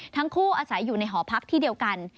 ทั้งคู่อาศัยอยู่ในหอพักที่เดียวกัน